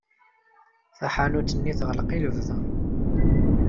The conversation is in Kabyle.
Taḥanut-nni teɣleq i lebda.